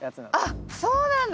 あっそうなんだ。